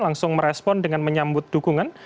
langsung merespon dengan menyambut dukungan